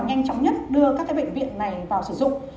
nhanh chóng nhất đưa các bệnh viện này vào sử dụng